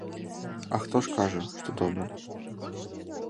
А хто ж кажа, што добра?